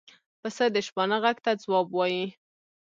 پسه د شپانه غږ ته ځواب وايي.